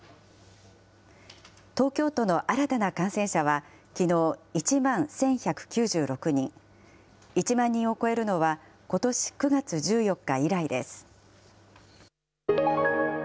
東京都の新たな感染者は、きのう１万１１９６人、１万人を超えるのは、ことし９月１４日以来です。